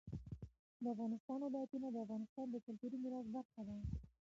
د افغانستان ولايتونه د افغانستان د کلتوري میراث برخه ده.